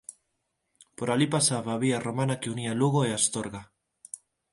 Por alí pasaba a vía romana que unía Lugo e Astorga.